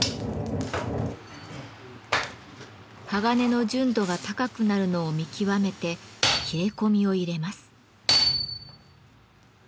鋼の純度が高くなるのを見極めて切れ込みを入れます。